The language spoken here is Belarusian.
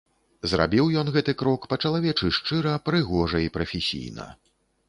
Зрабіў ён гэты крок па-чалавечы шчыра, прыгожа і прафесійна.